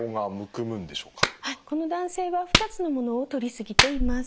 この男性は２つのものをとりすぎています。